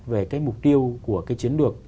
về mục tiêu của chiến lược